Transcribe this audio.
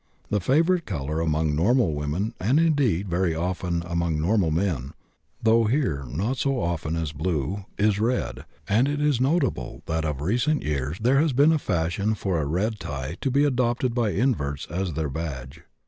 The favorite color among normal women, and indeed very often among normal men, though here not so often as blue, is red, and it is notable that of recent years there has been a fashion for a red tie to be adopted by inverts as their badge.